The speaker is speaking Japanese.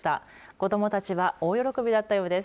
子どもたちは大喜びだったようです。